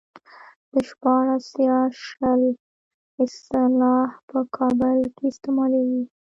د شپاړس يا شل اصطلاح په کابل کې استعمالېږي.